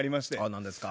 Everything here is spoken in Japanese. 何ですか？